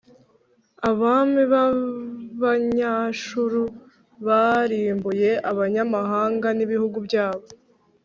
abami b’Abanyashuru barimbuye abanyamahanga n’ibihugu byabo,